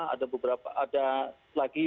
ada beberapa lagi